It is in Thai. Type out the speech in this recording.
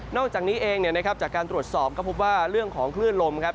อกจากนี้เองเนี่ยนะครับจากการตรวจสอบก็พบว่าเรื่องของคลื่นลมครับ